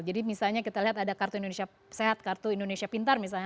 jadi misalnya kita lihat ada kartu indonesia sehat kartu indonesia pintar misalnya